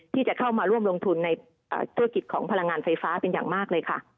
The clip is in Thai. ที่จะเข้ามาร่วมลงทุนในธุรกิจของพลังงานไฟฟ้าเป็นอย่างมากเลยค่ะ